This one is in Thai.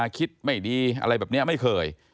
คิดไม่ดีอะไรแบบนี้ไม่เคย